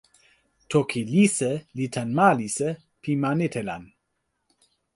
toki Lise li tan ma Lise pi ma Netelan.